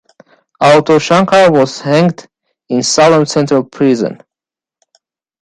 Auto Shankar was hanged in Salem Central Prison.